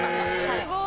すごい！